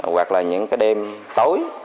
hoặc là những cái đêm tối